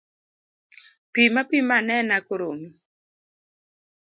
Pim apima anena koromi.